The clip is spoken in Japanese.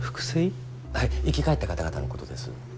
生き返った方々のことです。